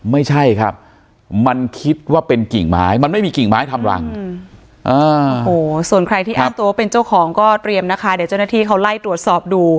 ไม่ใช่ครับมันคิดว่าเป็นกิ่งไม้มันไม่มีกิ่งไม้ทำรังส่วนใครที่อ้างตัวว่าเป็นเจ้าของก็เตรียมนะคะเดี๋ยวเจ้าหน้าที่เขาไล่ตรวจสอบดู